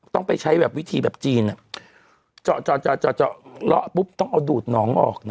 ต้องไปใช้แบบวิธีแบบจีนอ่ะเจาะเจาะเจาะเจาะเจาะเจาะเลาะปุ๊บต้องเอาดูดน้องออกน่ะ